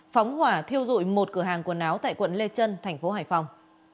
phóng hỏa thiêu dụi một cửa hàng quần áo tại quận lê trân thành phố hải phòng